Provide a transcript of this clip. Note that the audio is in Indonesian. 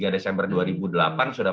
dua puluh tiga desember dua ribu delapan sudah